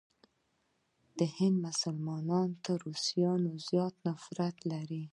د هند مسلمانان تر روسانو زیات نفرت لري.